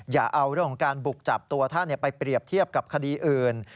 อย่าเอาเรื่องของการบุกจับตัวท่านไปเปรียบเทียบกับคดีอื่น